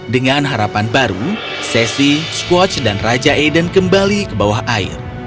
dengan harapan baru sesi squatch dan raja aiden kembali ke bawah air